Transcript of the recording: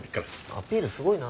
アピールすごいな。